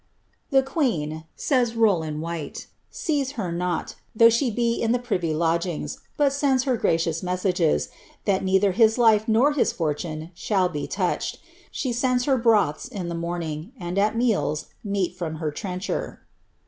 '■The queen," says Rowland Whylc, "sees her not, thougli she ht in the privy lodgings, but sends her gracious messages, that neither his life nor his fortune shall he touched ; she sends her broths in a morn ing, and at meals, meat from her trencher.""